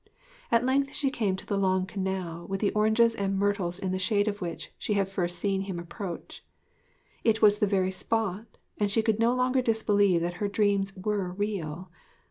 At length she came to the long canal with the oranges and myrtles in the shade of which she had first seen him approach. It was the very spot, and she could no longer disbelieve that her dreams were real.